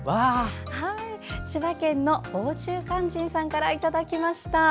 千葉県の忙中閑人さんからいただきました。